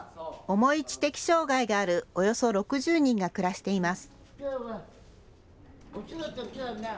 重い知的障害があるおよそ６０人が暮らしています。